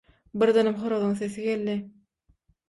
Birdenem horazyň sesi geldi.